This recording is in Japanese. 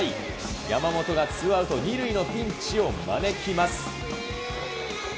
山本がツーアウト２塁のピンチを招きます。